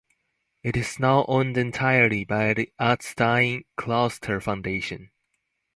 It is now owned entirely by the Utstein Kloster Foundation.